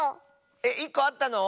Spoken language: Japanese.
えっ１こあったの？